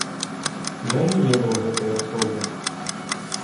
Я не ведаў гэтай асобы.